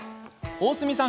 大角さん